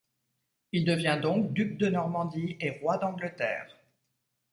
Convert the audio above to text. Il devient donc duc de Normandie et roi d'Angleterre.